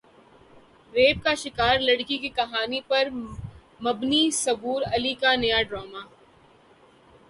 rape کا شکار لڑکی کی کہانی پر مبنی صبور علی کا نیا ڈراما